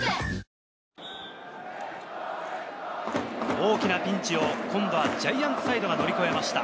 大きなピンチを今度はジャイアンツサイドが乗り越えました。